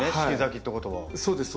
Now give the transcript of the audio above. そうです